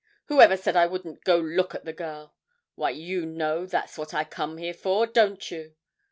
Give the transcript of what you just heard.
'Who ever said I wouldn't go look at the girl? Why, you know that's just what I come here for don't you?